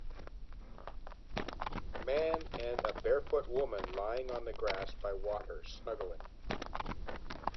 man and a barefoot woman lying on the grass by water snuggling